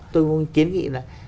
tôi muốn kiến nghị là